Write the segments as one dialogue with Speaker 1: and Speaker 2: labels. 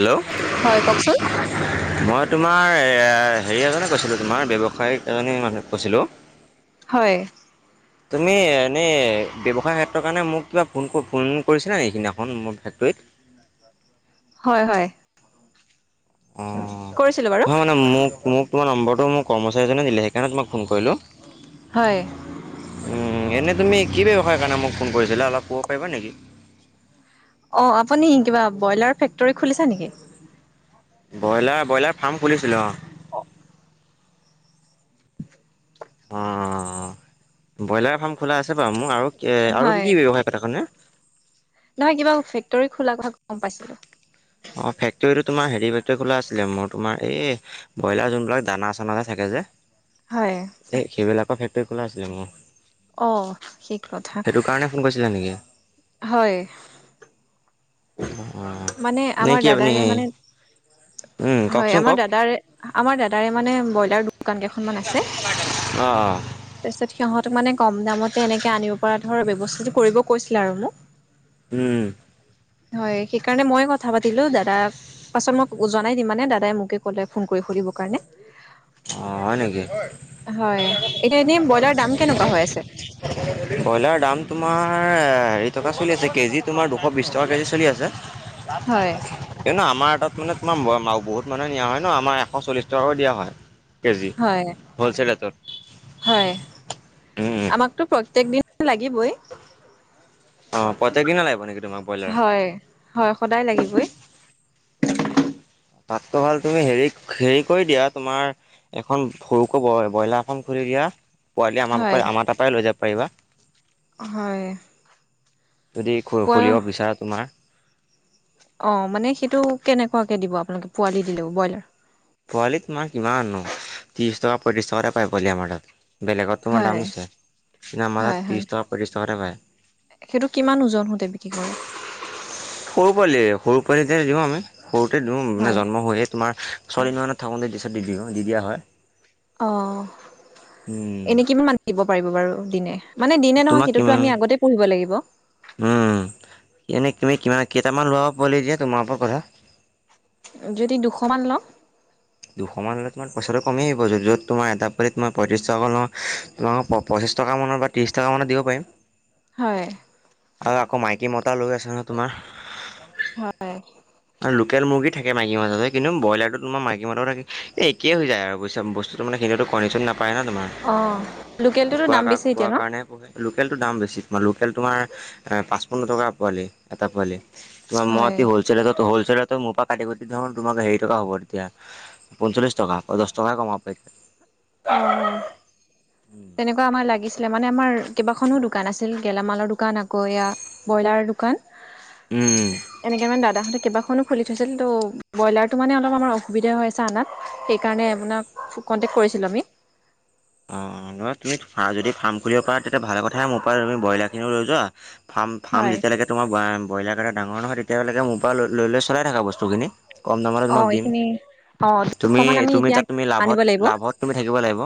Speaker 1: Hello
Speaker 2: হয় কওঁকচোন।
Speaker 1: মই তোমাৰ এ হেৰি এজনে কৈছিলো তোমাৰ, ব্যৱসায়িক এজনী মানুহক কৈছিলো।
Speaker 2: হয়।
Speaker 1: তুমি এনেই ব্যৱসায় ক্ষেত্ৰৰ কাৰণে মোক কিবা ফোন ফোন কৰিছিলা নেকি সেইদিনাখন মোৰ ফেক্টৰীত।
Speaker 2: হয় হয়।
Speaker 1: অ
Speaker 2: কৰিছিলো বাৰু
Speaker 1: হয় মানে মোক মোক তোমাৰ নম্বৰটো মোক কৰ্মচাৰীজনে দিলে সেইকাৰণে তোমাক ফোন কৰিলো।
Speaker 2: হয়।
Speaker 1: উম এনে তুমি কি ব্যৱসায় কাৰণে মোক ফোন কৰিছিলা অলপ কব পাৰিবা নেকি?
Speaker 2: অ আপুনি কিবা ব্ৰইলাৰ ফেক্টৰী খুলিছে নেকি?
Speaker 1: ব্ৰইলাৰ ব্ৰইলাৰ ফাৰ্ম খুলিছিলো অ।
Speaker 2: অ।
Speaker 1: অহ ব্ৰইলাৰ ফাৰ্ম খোলা আছে বাৰু মোক আৰু আৰু কি
Speaker 2: হয়
Speaker 1: কি ব্যৱসায় পথাখনে।
Speaker 2: নহয় কিবা ফেক্টৰী খোলাৰ কথা গম পাইছিলো।
Speaker 1: অ ফেক্টৰী তোমাৰ হেৰি ফেক্টৰী খোলা আছিলে মোৰ তোমাৰ এ ব্ৰইলাৰ যোনবিলাক দানা চানা থাকে যে।
Speaker 2: হয়।
Speaker 1: এই সেইবিলাকৰ ফেক্টৰী খোলা আছিলে মোৰ।
Speaker 2: অ সেই কথা।
Speaker 1: ছিলা নেকি?
Speaker 2: হয়।
Speaker 1: অঁ
Speaker 2: মানে
Speaker 1: নে
Speaker 2: আমাৰ
Speaker 1: কি আপুনি
Speaker 2: দাদাৰে, মানে
Speaker 1: উম
Speaker 2: হয়
Speaker 1: কওকচোন
Speaker 2: আমাৰ
Speaker 1: কওক
Speaker 2: দাদাৰে। আমাৰ দাদাৰে মানে ব্ৰইলা দো- দোকান কেইখনমান।
Speaker 1: [unintelligible] অ'! অ'!
Speaker 2: তাৰপিছত, সিহঁতক মানে, কম দামতে এনেকে আনিব পৰা ধৰ, ব্যৱস্থাটোক কৰিব কৈছিলে আৰু মোক।
Speaker 1: উম!
Speaker 2: হয়, সেইকাৰণে মই কথা পাতিলোঁ, দাদাক। পাছত, মই জনাই দিম মানে, দাদাই মোকে ক'লে, ফোন কৰি সুধিব কাৰণে।
Speaker 1: অ হয় নেকি? হয়
Speaker 2: হয়
Speaker 1: তেনেহলে ছশটক-
Speaker 2: এতিয়া এনেই ব্ৰইলাৰৰ দাম কেনেকুৱা হৈ আছে।
Speaker 1: [unintelligible] ব্ৰইলাৰৰ দাম তোমাৰ হেৰি টকা চলি আছে। কেজি তোমাৰ দুশ বিছ টকা কেজি চলি আছে।
Speaker 2: হয়।
Speaker 1: কিন্তু, আমাৰ তাত মানে, তোমাৰ বহুত মানুহ নিয়া হয় ন'! আমাৰ এশ চল্লিশ টকাকেও দিয়া হয়। কেজি,
Speaker 2: হয়
Speaker 1: হলছেল ৰেটত?
Speaker 2: হয়, আমাকতো প্ৰত্যেক দিন লাগিবই।
Speaker 1: অ'! প্ৰত্যেক দিনা লাগিব নেকি, তোমাক ব্ৰইলাৰ?
Speaker 2: হয় হয়, সদায় লাগিবই।
Speaker 1: ভাতটো ভাল তুমি, হেৰি-হেৰি কৰি দিয়া। তোমাৰ এখন সৰুকৈ ব, ব্ৰইলাৰ এখন খুলি দিয়া। পোৱালি আমাৰ,
Speaker 2: হয়
Speaker 1: আমাৰ তাৰপৰাই লৈ যাব পাৰিবা।
Speaker 2: হয়!
Speaker 1: যদি, খু,
Speaker 2: পোৱা
Speaker 1: খুলিব বিচাৰা, তোমাৰ
Speaker 2: অ'! মানে, সেইটো কেনেকুৱাকৈ দিব আপোনালোকে? পোৱালি দিলেও ব্ৰইলাৰ।
Speaker 1: পোৱালি তোমাৰ, কিমাননো! ত্ৰিছ টকা, পঁয়ত্ৰিছ টকাতে পায়, পোৱালি আমাৰ তাত। বেলেগত তোমাৰ দাম
Speaker 2: হয়
Speaker 1: আছে। কিন্তু, আমাৰ
Speaker 2: হয়
Speaker 1: তাত, ত্ৰিছ
Speaker 2: হয়
Speaker 1: টকা, পঁয়ত্ৰিছ টকাতে পায়।
Speaker 2: সেইটো কিমান ওজন হওঁতে বিক্ৰী কৰে?
Speaker 1: সৰু পোৱালি, সৰু পোৱালিতে দিওঁ, আমি। সৰুতে দিওঁ মানে,
Speaker 2: হয়
Speaker 1: জন্ম হৈয়ে তোমাৰ। [unintelligible] দি দিয়া হয়।
Speaker 2: অ'!
Speaker 1: উম
Speaker 2: এনে, কিমান দিব পাৰিব বাৰু দিনে? মানে, দিনে নহয়।
Speaker 1: তোমাক
Speaker 2: সেইটোতো
Speaker 1: কিমান
Speaker 2: আমি আগতেই পুহিব লাগিব।
Speaker 1: উম! এনেই তুমি কিমান, কেইটামান ল'ৰা পোৱালি দিয়া, তোমাৰ ওপৰত কথা।
Speaker 2: যদি, দুশমান লম।
Speaker 1: দুশমান হ'লে, তোমাৰ পইচাটো কমি আহিব। য'ত তোমাৰ, এটা পোৱালিত মই, পঁয়ত্ৰিছ টকা লওঁ। তোমোক পঁচিছ টকা মানৰ পৰা ত্ৰিছ টকামানত দিব পাৰিম।
Speaker 2: হয়!
Speaker 1: আৰু আকৌ, মাইকী, মতা লৈ আছে ন' তোমাৰ।
Speaker 2: হয়!
Speaker 1: আৰু লোকেল মুৰ্গী থাকে, মাইকী মাজতে। কিন্তু, ব্ৰইলাৰটো তোমাৰ, মাইকী সিমানতো থাকে। এ, একেইে হৈ যায় আৰু বুইছ। বস্তু তাৰ মানে, সেইটোতো কণী-চণী নাপায় ন' তোমাৰ।
Speaker 2: অ লোকেলটোতো দাম বেছি এতিয়া
Speaker 1: খোৱাৰ
Speaker 2: ন
Speaker 1: কাৰণে পোহে। লোকেলটোৰ দাম বেছি। তোমাৰ, লোকেল তোমাৰ, পাঁচপন্ন টকা পোৱালি। এটা পোৱালিত। তোমাৰ,
Speaker 2: হয়
Speaker 1: মই হলচেলত, হোলচেলতো মোৰ পৰা, কাটি-কুটি তোমাক হেৰি টকা হ'ব, তেতিয়া। পঞ্চলিছ টকা, পঞ্চাচ টকাহে কমাব পাৰিম।
Speaker 2: অ
Speaker 1: [unintelligible]
Speaker 2: তেনেকুৱা, আমাৰ লাগিছিলে। মানে, আমাৰ কেইবাখনো দোকান আছিল। গেলামালৰ দোকান, আকৌ এয়া ব্ৰইলাৰৰ দোকান।
Speaker 1: উম! উম!
Speaker 2: এনেকে মানে, দাদাহঁতে কেইবাখনো খুলি থৈছিল। ত' ব্ৰইলাৰটো মানে, অলপ আমাৰ অসুবিধা হৈছে। [unintelligible] সেইকাৰণে, আপোনাক কণ্টেক্ট কৰিছিলোঁ, আমি।
Speaker 1: অ'! নহয়। তুমি যদি, ফাৰ্ম খুলিব পাৰা, তেতিয়া ভালে কথা! মোৰ পৰা তুমি ব্ৰইলাৰ খিনিও লৈ যোৱা। ফাৰ্ম-ফাৰ্ম,
Speaker 2: হয়
Speaker 1: যেতিয়ালৈকে তোমাৰ, ব্ৰইলাৰ কেইটা ডাঙৰ নহয়, তেতিয়ালৈকে মোৰ পৰা, লৈ লৈ চলাই থাকা বস্তুখিনি। কম দামতে
Speaker 2: অ
Speaker 1: তোমাক দিম।
Speaker 2: এইখিনি অ দুশ
Speaker 1: তুমি,
Speaker 2: মান আমি
Speaker 1: তুমি
Speaker 2: এতিয়া
Speaker 1: তাত তুমি, লাভত,
Speaker 2: আনিব লাগিব
Speaker 1: লাভত তুমি থাকিব লাগিব।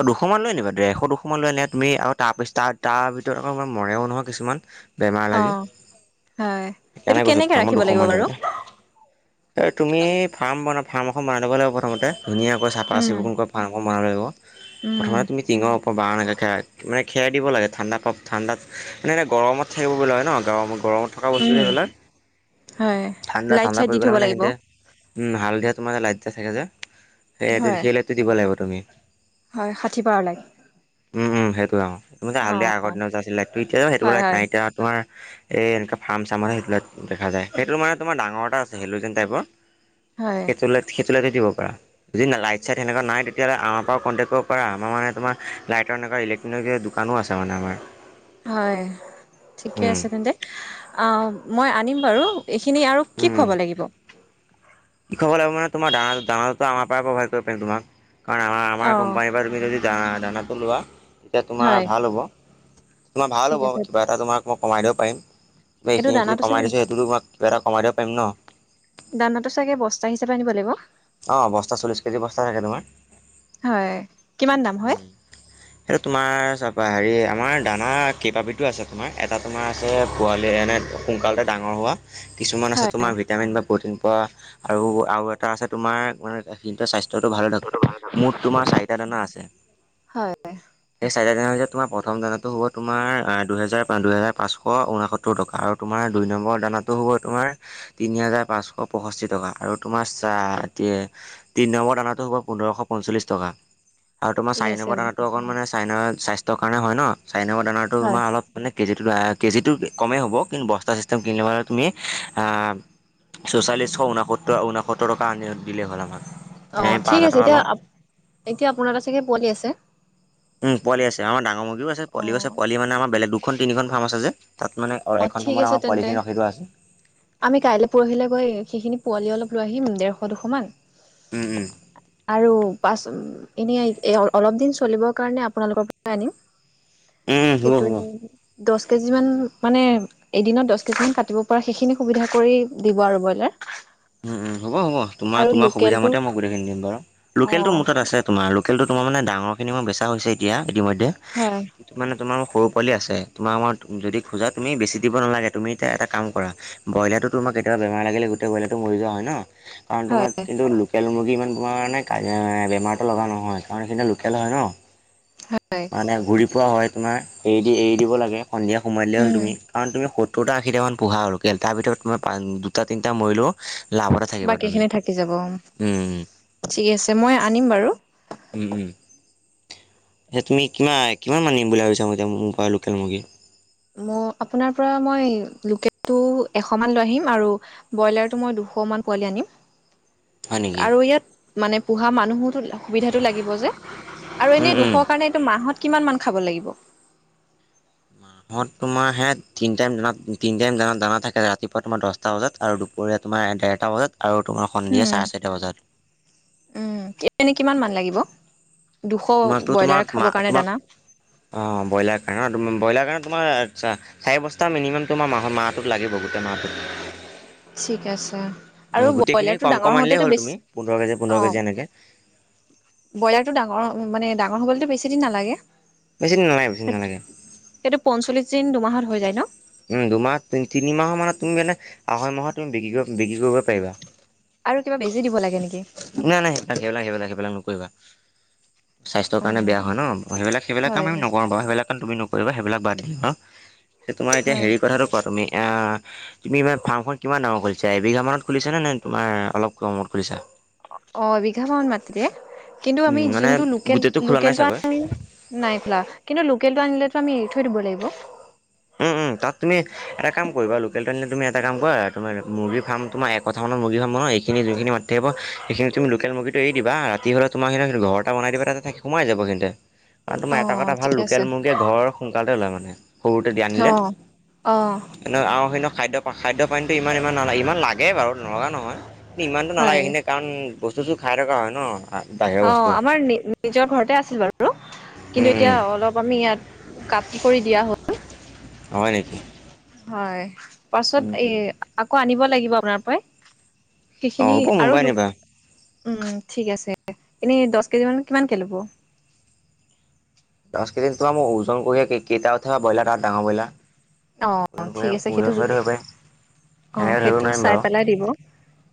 Speaker 1: অ'! দুশমান লৈ আনিবা। ডেৰশ, দুশমান লৈ আনিলে তুমি, তাৰপিছত তাৰ ভিতৰত আকৌ, মৰেও নহয় কিছুমান। বেমাৰ
Speaker 2: অ
Speaker 1: লাগি।
Speaker 2: হয় সেইটো
Speaker 1: সেইকাৰণে কৈছোঁ!
Speaker 2: কেনেকে
Speaker 1: তোমাক মই
Speaker 2: ৰাখিব লাগিব
Speaker 1: দুশমান
Speaker 2: বাৰু
Speaker 1: আনিবলে। এই, তুমি ফাৰ্ম বনাই, ফাৰ্ম এখন বনাই ল'ব লাগিব প্ৰথমতে। ধুনীয়াকৈ চাফা
Speaker 2: উম
Speaker 1: চিকুণকৈ ফাৰ্মখন বনাব লাগিব। প্ৰথমে
Speaker 2: উম
Speaker 1: তুমি তিঙ- বাঁহ এনেকৈ খাই মানে খেৰ দিব লাগে ঠাণ্ডা ঠাণ্ডাত মাননে এনেই গৰমত থাকিব লগা হয় ন গৰমত গৰমত। থকা বস্তু
Speaker 2: উম
Speaker 1: সিবিলাক।
Speaker 2: হয়
Speaker 1: ঠাণ্ডা-
Speaker 2: লাইট
Speaker 1: ঠাণ্ডা
Speaker 2: চাইট
Speaker 1: পৰি
Speaker 2: দি
Speaker 1: গ'লে
Speaker 2: থব
Speaker 1: মানে,
Speaker 2: লাগিব
Speaker 1: হেঁতে উম! হালধীয়া, তোমাৰ যে লাইট যে, থাকে যে, সেই,
Speaker 2: হয়
Speaker 1: সেই লাইটটো দিব লাগিব তুমি।
Speaker 2: হয় ষাঠি পাৰ লাগে।
Speaker 1: উম উম সেইটো আৰু
Speaker 2: অ
Speaker 1: হালিয় আগৰ দিনৰত আছিলে ত এতিয়া সেইটো
Speaker 2: হয় হয়
Speaker 1: ন এতিয়া তোমাৰ। এই এনেকুৱা ফাৰ্ম চাৰ্ম সেইটোত দেখা যায় সেইটো মানে তোমাৰ ডাঙৰ এটা আছিলে হেলোযেন টাইপৰ-
Speaker 2: হয়
Speaker 1: সেই সেইটো লাইট দিব পাৰা, যদি লাইট চাইট সেনেকা নাই তেতিয়াহলে আমাৰ পৰা কণ্টেক- কৰিব পাৰা আমাৰ মানে তোমাৰ লাইটৰ এনেকা ইলেক্ট্ৰনিক দোকানো আছে মানে আমাৰ।
Speaker 2: হয় ঠিকে
Speaker 1: উম
Speaker 2: আছে তেন্তে মই আ আনিম বাৰু এইখিনি আৰু। কি খোৱাব লাগিব।
Speaker 1: কৃষকসকলে মানে তোমাৰ দানাটো আমাৰ পৰাই পাবা কৰিব পাৰিম তোমাক কাৰণ আমাৰ
Speaker 2: অ
Speaker 1: আমাৰ কোম্পানীৰ পৰা তুমি যদি। দানা দানাটো লোৱা তেতিয়া তোমাৰ
Speaker 2: হয়
Speaker 1: ভাল হ'ব তোমাৰ ভাল
Speaker 2: ঠিক
Speaker 1: হ'ব
Speaker 2: আছে
Speaker 1: কিবা এটা তোমাৰ। মই কমাই দিব পাৰিম বা
Speaker 2: এইটো
Speaker 1: এইখিনি যদি
Speaker 2: দানাটো চাগে
Speaker 1: কমাই দিছোঁ সেইটোতো মই কিবা এটা কমাই দিব পাৰিম ন।
Speaker 2: দানাটো চাগে বস্তা হিচাপে আনিব লাগিব।
Speaker 1: অ বস্তা চল্লিশ কেজি বস্তা থাকে তোমাৰ।
Speaker 2: হয় কিমান দাম হয়।
Speaker 1: [inaudible] এইটো তোমাৰ চা হেৰি আমাৰ দানা কেইবা বিধো আছে তোমাৰ এটা তোমাৰ আছে পোৱালি এনে- সোনকালে ডাঙৰ হোৱা। কিছুমান আছে
Speaker 2: হয়
Speaker 1: তোমাৰ ভিটামিন বা প্ৰটিন পোৱা আৰু আৰু এটা আছে তোমাৰ মানে। কিন্তু স্বাস্থ্যটো ভাল থাকক, মুঠ তোমাৰ চাৰিটা দানা আছে
Speaker 2: হয়
Speaker 1: সেই চাৰিটা। তেনেহ'লে তোমাৰ প্ৰথম দানাটো হ'ব তোমাৰ দুহেজাৰ দুহেজাৰ পাঁচশ ঊনসত্তৰ টকা আৰু। তোমাৰ দুই নম্বৰ দানাটো হ'ব তোমাৰ তিনি হাজাৰ পাঁচশ পঁষষ্ঠি টকা আৰু তোমাৰ চাহ এ তিনি নম্বৰ দানাতটো হ'ব পোন্ধৰশ পঞ্চল্লিশ টকা আৰু তোমাৰ
Speaker 2: ঠিক
Speaker 1: চাৰি
Speaker 2: আছে
Speaker 1: নম্বৰ দানাটো অকণ মানে চাইনাৰ স্বাস্থ্যৰ কাৰণে হয় ন, চাই নম্বৰ দানাটো
Speaker 2: হয়
Speaker 1: আমাৰ অলপ মানে কেজিটো-কেজিটো কমেই হ'ব কিন্তু বস্তা চিষ্টেম কিনিলোৰ তুমি আ চৌচল্লিছশ ঊনসত্তৰ- ঊনসত্তৰ টকা আনি দিলেই হ'ল, আমাক
Speaker 2: অ
Speaker 1: এনেই পাঁচ
Speaker 2: ঠিক
Speaker 1: হাজাৰ
Speaker 2: আছে
Speaker 1: টকা
Speaker 2: এতিয়া
Speaker 1: লওঁ।
Speaker 2: এতিয়া আপোনাৰ তাত চাগে পোৱালি আছে
Speaker 1: উম পোৱালি আছে আমাৰ ডাঙৰ মুগীও আছে
Speaker 2: অ
Speaker 1: পোৱালি আছে পোৱালি মানে আমা বেলেগ দুখন তিনিখন ফাৰ্ম আছে যে তাত, মানে-
Speaker 2: অ
Speaker 1: আৰু একন
Speaker 2: ঠিক
Speaker 1: সময়ত
Speaker 2: আছে
Speaker 1: আমাৰ
Speaker 2: তেন্তে
Speaker 1: পোৱালি খিনি ৰখি লোৱা আছে।
Speaker 2: আমি কাইলৈ পৰহিলৈ গৈ সেইখিনি পোৱালি অলপ লৈ আহিম ডেৰশ দুশ মান।
Speaker 1: উম উম।
Speaker 2: আৰু পাছ এনেই অলপ দিন চলিবৰ কাৰণে আপোনালোকৰ পৰা আনিম।
Speaker 1: উম, উম, হ'ব
Speaker 2: সেইটো
Speaker 1: হ'ব।
Speaker 2: দচ কেজি মান। মানে এদিনত দচ কেজি মান কাটিব পৰা সেইখিনি সুবিধা কৰি দিব আৰু ব্ৰইলাৰ।
Speaker 1: উম উম হ'ব হ'ব তোমাৰ
Speaker 2: আৰু
Speaker 1: তোমাৰ সুবিধা
Speaker 2: লোকেলটো
Speaker 1: মতে মই গোটেইখিনি দিম বাৰু
Speaker 2: অ
Speaker 1: লোকেলটো মোৰ তাত আছে। তোমাৰ লোকেলটো তোমাৰ মানে ডাঙৰখিনি মই বেচা হৈছে এতিয়া ইতিমধ্যে।
Speaker 2: হয়।
Speaker 1: মানে তোমাৰ সৰু পোৱালি আছে, তোমাৰ আমাৰ যদি খোজা তুমি বেছি দিব নালাগে তুমি এতিয়া এটা কাম কৰা। ব্ৰইলাৰটো তোমাক কেতিয়াবা বেমাৰ লাগিলে গোটেই ব্ৰলাৰটো মৰি যোৱা হয় ন, কাৰণ
Speaker 2: হয়
Speaker 1: তোমাৰ কিন্তু তেল মুৰ্গী ইমান তোমাৰ মানে কাজ আ--বেমাৰটো লগা নহয় কাৰণ সেই লোকেল হয় ন?
Speaker 2: হয়
Speaker 1: মানে ঘূৰি পোৱা হয় তোমাৰ, এৰি দি এৰি দিব লাগে সন্ধিয়া সোমাই দিলে হ'ল
Speaker 2: উম
Speaker 1: তুমি, কাৰণ তুমি সত দুটা আশীটামান পোহা আৰু লোকেল, তাৰ ভিতৰত তোমাৰ দুটা তিনিটা মৰিলোঁ লাভতে থাকিবা তুমি।
Speaker 2: বাকীখিনি থাকি যাব
Speaker 1: উম, উম।
Speaker 2: ঠিক আছে মই আনিম বাৰু।
Speaker 1: উম-উম, এয়া তুমি কিমান-কিমান মান নিম বুলি ভাবিছা ম এতিয়া মোৰ পৰা লোকেল মুৰ্গী?
Speaker 2: ম আপোনাৰ পৰা মই লোকেলটো এশ মান লৈ আহিম আৰু ব্ৰইলাৰ টো মই দুশমান পোৱালি আনিম।
Speaker 1: হয় নেকি
Speaker 2: আৰু ইয়াত মানে বুঢ়া মানুহোতো সুবিধাটো লাগিব যে আৰু
Speaker 1: উম
Speaker 2: এনেই
Speaker 1: উম
Speaker 2: দুখৰ কাৰণে এইটো মাহত কিমান মান খাব লাগিব?
Speaker 1: [unintelligible] তোমাৰ হে তিনি টাইম দানা, তিনি টাইম দানত দানা থাকে ৰাতিপুৱা তোমাৰ দহ সাঁতটা বজাত আৰু দুপৰীয়া তোমাৰ ডেৰটা বজাত আৰু তোমাৰ সন্ধিয়া
Speaker 2: উম
Speaker 1: চাৰে চাৰিটা বজাত।
Speaker 2: উম, এনে কিমান মান লাগিব, দুশ
Speaker 1: তোমাকতো তোমাক
Speaker 2: ব্ৰইলাৰ
Speaker 1: মা
Speaker 2: খাব কাৰণে
Speaker 1: তোমাক
Speaker 2: দানা?
Speaker 1: অ', ব্ৰইলাৰ কাৰণে, ব্ৰইলাৰ কাৰণে তোমাৰ আচ্ছা চাৰি বস্তা মিনিমাম তোমাৰ মাহ মাহটোত লাগিব গোটেই মাহটোত।
Speaker 2: ঠিক আছে। আৰু
Speaker 1: গোটেইখিনি
Speaker 2: ব্ৰইলাৰটো ডাঙৰ
Speaker 1: কম-কম আনিলে
Speaker 2: হওঁতেতো
Speaker 1: হ'ল
Speaker 2: বেছি
Speaker 1: তুমি পোন্ধৰ কেজি
Speaker 2: অ
Speaker 1: পোন্ধৰ কেজি এনেকে।
Speaker 2: ব্ৰইলাৰটো ডাঙৰ মানে ডাঙৰ হ'বলৈতো বেছি দিন নালাগে?
Speaker 1: বেছি দিন নালাগে, বেছি দিন নালাগে।
Speaker 2: সেইটো পঞ্চল্লিছ দিন দুমাহত হৈ যায় ন'?
Speaker 1: দুমাহ তি তিনিমাহৰ মানত তুমি মানে আঢ়ৈ মাহত তুমি বিক্ৰী কৰিব বিক্ৰী কৰিব পাৰিবা।
Speaker 2: আৰু কিবা বেজি দিব লাগে নেকি?
Speaker 1: নাই-নাই সেইবিলাক-সেইবিলাক-সেইবিলাক-সেইবিলাক নকৰিবা। স্বাস্থ্যৰ
Speaker 2: অ
Speaker 1: কাৰণে বেয়া হয় ন'? সেইবিলাক- সেইবিলাক
Speaker 2: হয়
Speaker 1: কাম আমি নকৰোঁ বাৰু, সেইবিলাক‌ কাম তুমি নকৰিবা সেইবিলাক বাদ দিম ন'? তোমাৰ এতিয়া
Speaker 2: হয়
Speaker 1: হেৰিৰ কথাটো কোৱা তুমি অ' তুমি এইবাৰ ফাৰ্মখন কিমান ডাঙৰ খুলিছা, এবিঘা মানত খুলিছা নে-নে তোমাৰ অলপ কমত খুলিছা?
Speaker 2: অ' এবিঘা মান মাটিতে, কিন্তু আমি
Speaker 1: উম, মানে
Speaker 2: যোনটো লোকেল
Speaker 1: গোটেইটো খোলা নাই
Speaker 2: লোকলটো
Speaker 1: চাগৈ?
Speaker 2: আনিম নাই খোলা। কিন্তু লোকেলটো আনিলটো আমি এৰি থৈ দিব লাগিব?
Speaker 1: উম-উম, তাত তুমি এটা কাম কৰিবা লোকেলটো আনিলে তুমি এটা কাম কৰা তোমাৰ মুৰ্গীৰ ফাৰ্ম তোমাৰ এককঠা মানৰ মুৰ্গীৰ ফাৰ্ম বনোৱা, এইখিনি যোনখিনি মাটি থাকিব এইখিনিত তুমি লোকেল মুৰ্গীটো এৰি দিবা ৰাতি হ'লে তোমাৰ ঘৰ এটা বনাই দিবা তাতে তাইক সোমাই যাব এইখিনতে‌ কাৰণ তোমাৰ
Speaker 2: অ
Speaker 1: এটা কথা ভাল
Speaker 2: ঠিকে
Speaker 1: লোকেল
Speaker 2: আছে
Speaker 1: মুৰ্গীয়ে ঘৰ সোনকালে ওলায় মানে। যদি
Speaker 2: অ
Speaker 1: আনিলে
Speaker 2: অ
Speaker 1: আৰু এনেও খাদ্য পা খাদ্য [unintelligible] ইমান-ইমান নালাগে। ইমান লাগে বাৰু নলগা নহয় কিন্তু ইমানটো নালাগে
Speaker 2: হয়
Speaker 1: এইখিনিতে কাৰণ বস্তুটো খাই থকা হয় ন'। বাহিৰৰ বস্তু
Speaker 2: অ' আমাৰ নি নিজৰ ঘৰতে আছিল বাৰু
Speaker 1: উম
Speaker 2: কিন্তু এতিয়া
Speaker 1: উম
Speaker 2: অলপ আমি ইয়াত কাপি কৰি দিয়া হ'ল।
Speaker 1: হয় নেকি।
Speaker 2: হয় পাছত
Speaker 1: উম
Speaker 2: এই
Speaker 1: উম
Speaker 2: আকৌ আনিব লাগিব আপোনাৰ পৰাই।
Speaker 1: অ
Speaker 2: সেইখিনি
Speaker 1: হ'ব
Speaker 2: আৰু
Speaker 1: মুম্বাই নিবা
Speaker 2: লোক উম ঠিক আছে। এনেই দহ কেজি মনত কিমানকৈ ল'ব?
Speaker 1: দহ কেজি তোমাৰ মোৰ ওজন কৰিহে কেইটা-কেইটা উঠে ব্ৰইলাৰ তাত ডাঙৰ ব্ৰইলাৰ? ওজন
Speaker 2: অ'
Speaker 1: কৰি
Speaker 2: ঠিক আছে
Speaker 1: ওজন
Speaker 2: সেইটো
Speaker 1: কৰি
Speaker 2: জুখি
Speaker 1: ধৰিব পাৰিম সেনেকে ধৰিব
Speaker 2: অ'সেইটো
Speaker 1: নোৱাৰিম
Speaker 2: চাই
Speaker 1: বাৰু।
Speaker 2: পেলাই দিব।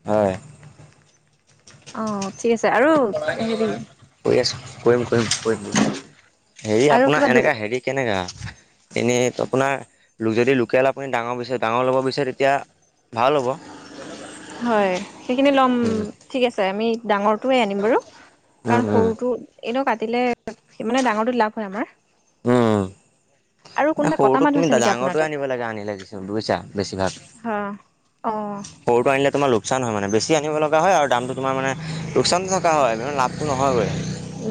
Speaker 1: হয়।
Speaker 2: অ' ঠিক আছে। আৰু হেৰি
Speaker 1: কৰি আছোঁ, কৰিম-কৰিম-কৰিম হেৰি
Speaker 2: আৰু
Speaker 1: আপোনাৰ
Speaker 2: কিবা দু
Speaker 1: এনেকা হেৰি কেনেকা? এনেই আপোনাৰ যদি লোকেল আপুনি ডাঙৰ বিচাৰে ডাঙৰ ল'ব বিচাৰে তেতিয়া ভাল হ'ব।
Speaker 2: হয় সেইখিনি লম
Speaker 1: উম
Speaker 2: ঠিক আছে আমি ডাঙৰ ডাঙৰটোৱে আনিম বাৰু কাৰণ
Speaker 1: উম
Speaker 2: সৰুটো এনেও কাটিলে কি মানে ডাঙৰটো লাভ হয় আমাৰ। আৰু
Speaker 1: অ'
Speaker 2: কোনোবা কটা
Speaker 1: সৰুটোত
Speaker 2: মানুহ
Speaker 1: তুমি
Speaker 2: আছে নেকি আপোনাৰ
Speaker 1: ডাঙৰটোৱে
Speaker 2: তাত
Speaker 1: আনিব লাগে আনিলে বুজিছা বেছি ভাগ।
Speaker 2: হা অ'
Speaker 1: সৰুটো আনিলে তোমাৰ লোকচান হয় মানে বেছি আনিব লগা হয় আৰু দামটো তোমাৰ মানে লোকচানটো থকা হয় কিন্তু লাভটো নহয়গৈ।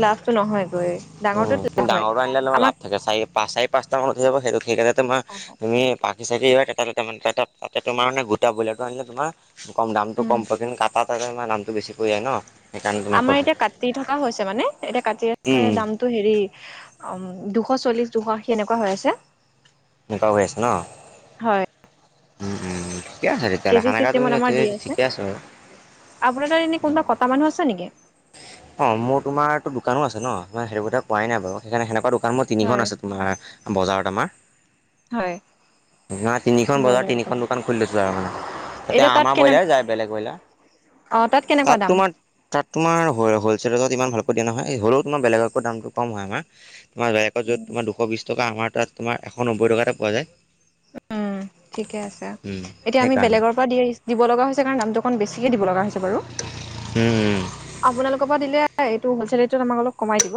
Speaker 2: লাভটো নহয় গৈ
Speaker 1: উম তুমি ডাঙৰটো আনিলে তোমাৰ লাভ থাকে চাৰি পা চাৰি পাঁচটা মান উঠি যাব সেইটো সেইকেইটা তোমাৰ
Speaker 2: অ
Speaker 1: তুমি পাখি চাকি এইবিলাক এটা দুটামান কাটা তাতে তোমাৰ মানে গোটা ব্ৰইলাৰটো আনিলে তোমাৰ কম দামটো
Speaker 2: উম
Speaker 1: কম পৰে কিন্তু কাটাতে হে দামটো বেছি পৰি যায় ন'। সেইকাৰণে তোমাক
Speaker 2: আমাৰ
Speaker 1: কৈছো।
Speaker 2: এতিয়া কাটি থকা হৈছে মানে এতিয়া কাটি আছে
Speaker 1: উম,
Speaker 2: দাম টো হেৰি, আম দুশ চল্লিশ দুশ আশী এনেকুৱা হৈ আছে।
Speaker 1: এনেকুৱা হৈ আছে ন'?
Speaker 2: হয়
Speaker 1: উম-উম ঠিকে আছে তেতিয়াহ'লে
Speaker 2: কেজি
Speaker 1: সেনেকা তুমি
Speaker 2: চিষ্টেমত আমাৰ দি
Speaker 1: যদি ঠিকে আছে বাৰু।
Speaker 2: আপোনাৰ তাত এনে কোনোবা কটা মানুহ আছে নেকি?
Speaker 1: অ' মোৰ তোমাৰতো দোকানো আছে ন' মই সেইবোৰ কথা কোৱাই নাই বাৰু সেইকাৰণে সেনেকুৱা দোকান মোৰ
Speaker 2: হয়
Speaker 1: তিনিখন আছে তোমাৰ বজাৰত আমাৰ।
Speaker 2: হয়,
Speaker 1: [unintelligible] তিনিখন বজাৰ তিনিখন দোকান খুলি লৈছো অ, এতিয়া
Speaker 2: তাত
Speaker 1: আমাৰ
Speaker 2: কেনে
Speaker 1: ব্ৰইলাৰ যায় বেলেগ ব্ৰইলা।
Speaker 2: অ', তাত কেনেকুৱা দাম?
Speaker 1: তাত তোমাৰ হল-হলছেলত ইমান ভালকৈ দিয়া নহয়, হ'লেও তোমাৰ বেলেগতকৈ দামটো কম হয় আমাৰ। তোমাৰ বেগত য'ত তোমাৰ দুশ বিছ টকা আমাৰ তাত তোমাৰ এশ নব্বৈ টকাতে পোৱা যায়।
Speaker 2: উম, ঠিকে আছে,
Speaker 1: উম
Speaker 2: এতিয়া আমি
Speaker 1: সেইকাৰণে
Speaker 2: বেলেগৰ পৰা দি দিব লগা হৈছে কাৰণ দামটো অকন বেছিকে দিব লগা হৈছে। বাৰু,
Speaker 1: উম
Speaker 2: আপোনালোকৰ পৰা দিলে এইটো হলছেলৰেটত আমাক অলপ কমাই দিব।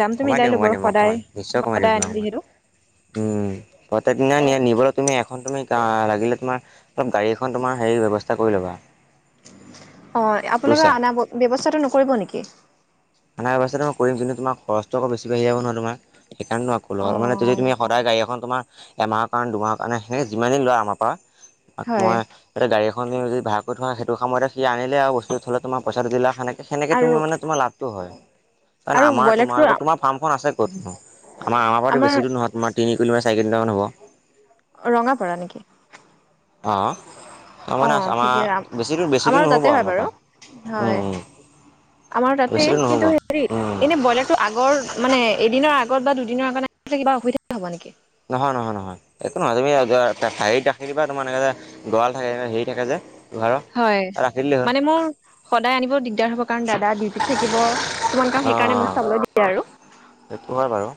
Speaker 2: দামটো
Speaker 1: কমাই
Speaker 2: মিলাই
Speaker 1: দিম
Speaker 2: ল'ব
Speaker 1: কমাই দিম মই
Speaker 2: সদায়,
Speaker 1: কমাই নিশ্চয় কমাই দিম
Speaker 2: সদায়
Speaker 1: তোমাক
Speaker 2: আনিম
Speaker 1: মই
Speaker 2: যিহেতু।
Speaker 1: উম, প্ৰত্যেকদিনাই নিয়া নিবলৈ তুমি এখন তুমি আহ লাগিলে তোমাৰ অলপ গাড়ী এখন তোমাৰ হেৰি ব্যৱস্থা কৰি ল'বা।
Speaker 2: হয়, আপোনালোকে
Speaker 1: বুজিছা
Speaker 2: আনাৰ ব্যৱস্থাটো নকৰিব নেকি?
Speaker 1: আনাৰ ব্যৱস্থাটো মই কৰিম কিন্তু তোমাৰ খৰচটো আৰু বেছি বাঢ়ি যাব নহয় তোমাৰ, সেই কাৰণেও [unintelligible] মানে যদি তুমি
Speaker 2: অ
Speaker 1: সদায় গাড়ী এখন তোমাৰ, এমাহৰ কাৰেণে দুমাহৰ কাৰণে সেনেকে যিমানদিন লোৱা আমাৰ পৰা। তাত
Speaker 2: হয়
Speaker 1: মই, এটা গাড়ী এখন কিনি যদি ভাড়া কৰি থোৱা সেইটো সময়তে সি আনিলে আৰু বস্তুটো [unintelligible] তোমাৰ পইচাটো দিলা সেনেকে-সেনেকে
Speaker 2: আৰু
Speaker 1: তোমাৰ মানে তোমাৰ লাভটো হয়, কাৰণ
Speaker 2: আৰু
Speaker 1: আমাৰ তোমাৰ
Speaker 2: ব্ৰইলাৰটো
Speaker 1: লগত তোমাৰ ফাৰ্মখন আছে ক'তনো, আমাৰ-আমাৰ পৰাতো
Speaker 2: আমাৰ
Speaker 1: বেছি দূৰ নহয় তোমাৰ তিনি কিলমিটাৰ চাৰি কিলোমিটাৰ হ'ব।
Speaker 2: ৰঙাপাৰা নেকি?
Speaker 1: অ',
Speaker 2: অ', ঠিকে আম, আমাৰো তাতে হয়
Speaker 1: আমাৰ
Speaker 2: বাৰু,
Speaker 1: পৰা উম
Speaker 2: হয়,
Speaker 1: উম
Speaker 2: আমাৰ তাতে
Speaker 1: বেছি দূৰ নহ'ব
Speaker 2: কিন্তু হেৰি,
Speaker 1: উম
Speaker 2: এনে ব্ৰইলাৰ টো আগৰ মানে এদিনৰ আগত বা দুদিনৰ আগত কিবা অসুবিধা হ'ব নেকি?
Speaker 1: নহয়, নহয়, নহয়, একো নহয় তুমি জা চাৰিটা ৰাখি দিবা তোমাৰ এনেকে গৰাল থাকে হেৰি থাকে যে ঘৰৰ
Speaker 2: হয়,
Speaker 1: ৰাখি দিলেই হ'ল
Speaker 2: মানে মোৰ সদায় আনিব দিগদাৰ হ'ব কাৰণ দাদা ডিউটিত থাকিব, কিমান
Speaker 1: অঁ
Speaker 2: কাম সেইকাৰণে মোক
Speaker 1: অঁ
Speaker 2: চাবলৈ দিয়ে আৰু।
Speaker 1: সেইটো হয় বাৰু।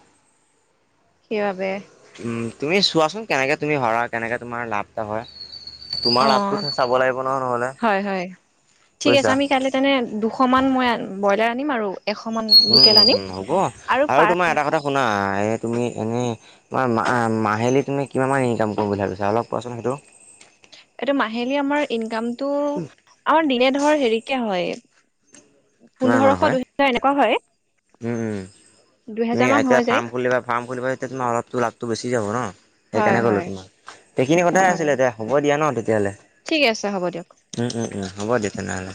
Speaker 2: সেইবাবে।
Speaker 1: উম, তুমি চোৱাচোন কেনেকে তুমি হাৰা কেনেকে তোমাৰ লাভ [unintelligible]
Speaker 2: অ
Speaker 1: তোমাৰ লাভটোত হে চাব লাগিব ন' নহ'লে,
Speaker 2: হয় হয় ঠিক আছে
Speaker 1: বুজিছা?
Speaker 2: আমি কাইলৈ তেনে, দুশমান মই, ব্ৰইলাৰ আনিম আৰু। এশ মান
Speaker 1: উম,
Speaker 2: লোকেল
Speaker 1: উম,
Speaker 2: আনিম
Speaker 1: উম হ'ব আৰু তোমাৰ এটা কথা শুনা, এ তুমি এনে মা মা মা মাহেলী তুমি কিমান মান ইনকাম কৰিম বুলি ভাবিছা অলপ কোৱাচোন সেইটো।
Speaker 2: এইটো মাহেলী আমাৰ ইনকামটো, আৰু দিনে ধৰ হেৰিকে হয়।
Speaker 1: কিমান মান
Speaker 2: পোন্ধৰশ
Speaker 1: হয়
Speaker 2: দুহেজাৰ এনেকুৱা হয়।
Speaker 1: উম, তুমি
Speaker 2: দুহেজাৰ মান
Speaker 1: এতিয়া
Speaker 2: হৈ যায়
Speaker 1: ফাৰ্ম খুলিবা ফাৰ্ম খুলিবা তেতিয়া তোমাৰ অলপ তোৰ লাভটো বেছি যাব ন'।
Speaker 2: হয়
Speaker 1: সেইকাৰণে ক'লো
Speaker 2: হয়
Speaker 1: তোমাক, এইখিনি কথাই
Speaker 2: হয়
Speaker 1: আছিলে দে হ'ব দিয়া ন তেতিয়াহ'লে?
Speaker 2: ঠিক আছে হ'ব দিয়ক
Speaker 1: উম, উম হ'ব দিয়ক তেনেহ'লে।